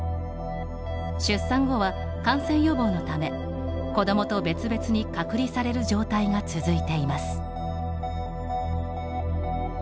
出産後は、感染予防のため子どもと別々に隔離される状態が続いています。